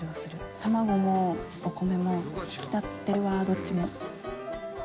卵もお米も引き立ってるわ、どっちも。